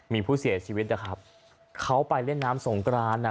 มีผู้เสียชีวิตนะครับเขาไปเล่นน้ำสงกรานอ่ะ